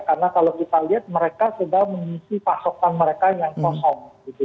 karena kalau kita lihat mereka sudah mengisi pasokan mereka yang kosong gitu